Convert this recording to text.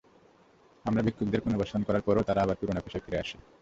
আমরা ভিক্ষুকদের পুনর্বাসন করার পরও তারা আবার পুরোনো পেশায় ফিরে আসে।